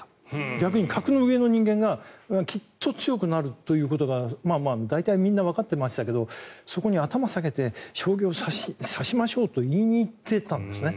逆に格の上の人間がきっと強くなるということが大体みんなわかってましたけどそこに頭を下げて将棋を指しましょうと言いにいっていたんですね。